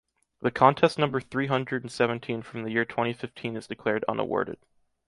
The contest number three hundred and seventeen from the year twenty fifteen is declared unawarded.